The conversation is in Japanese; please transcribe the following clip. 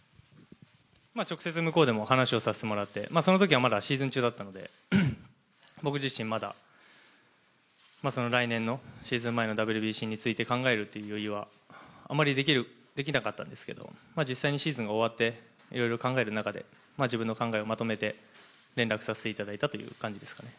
直接向こうでも話をさせてもらって、そのときはまだシーズン中だったので僕自身まだ来年のシーズン前のＷＢＣについて考えるという余裕はあまりできなかったですけど実際にシーズンが終わって、いろいろ考える中で自分の考えをまとめて連絡させていただいたという感じですかね。